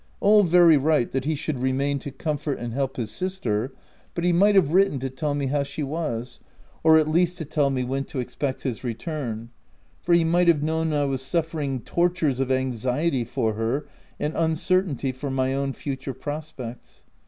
All very right that he should remain to OF W1LDFELL HALL. 257 comfort and help his sister, but he might have written to tell me how she was, — or at least to tell me when to expect his return ; for he might have known I was suffering tortures of anxiety for her, and uncertainty for my own future prospects.